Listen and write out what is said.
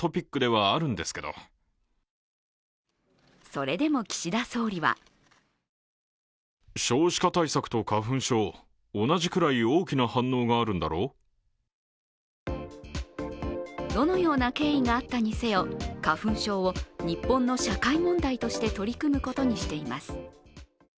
それでも岸田総理はどのような経緯があったにせよ、花粉症を日本の社会問題として取り組むことにしています。